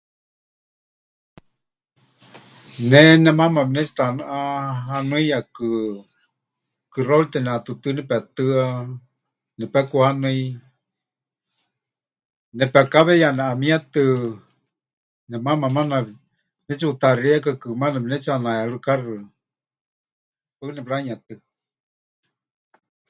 Ne nemaama pɨnetsiʼutanɨʼa hanɨiyakɨ, kɨxaurite nehatɨtɨ nepetɨa, nepekuhanɨi, nepekáwe ya neʼamietɨ, nemaama maana netsiʼutaxeiyaka kɨmana pɨnetsiʼanaherɨkaxɨ. Paɨ nepɨranuyetɨ́a.